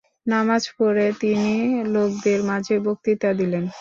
নামায পড়ে তিনি লোকদের মাঝে বক্তৃতা দিলেন।